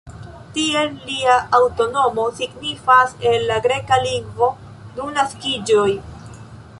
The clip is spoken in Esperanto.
Tiel lia antaŭnomo signifas en la greka lingvo "du naskiĝoj".